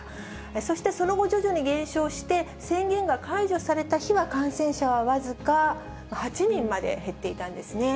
そしてその後、徐々に減少して、宣言が解除された日は、感染者は僅か８人まで減っていたんですね。